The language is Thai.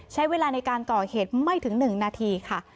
ใช้เวลาในการก่อเหตุไม่ถึง๑นาทีค่ะ